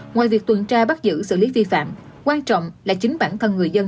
ngoài việc tuần tra bắt giữ xử lý vi phạm quan trọng là chính bản thân người dân